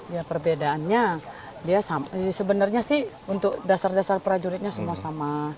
ya perbedaannya dia sebenarnya sih untuk dasar dasar prajuritnya semua sama